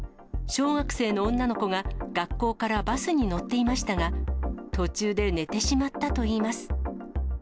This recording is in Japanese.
小学生の女の子が学校からバスに乗っていましたが、途中で寝てしまったといいます。